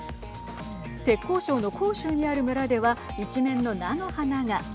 浙江省の杭州にある村では一面の菜の花が。